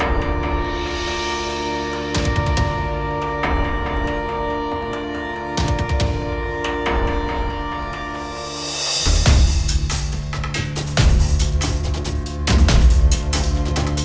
aku salah denger aja ya